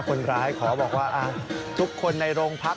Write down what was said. คนร้ายขอบอกว่าทุกคนในโรงพัก